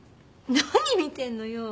何見てんのよ。